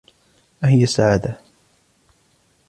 ما هي السعادة ؟